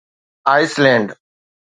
ice land